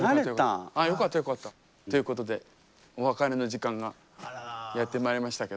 ああよかったよかった。ということでお別れの時間がやって参りましたけど。